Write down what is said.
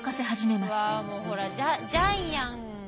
うわもうほらジャイアン。